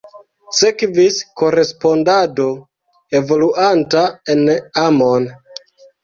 Sekvis korespondado evoluanta en amon.